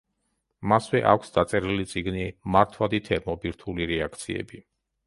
მასვე აქვს დაწერილი წიგნი „მართვადი თერმობირთვული რეაქციები“.